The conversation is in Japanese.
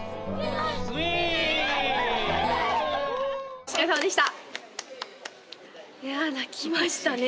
お疲れさまでした。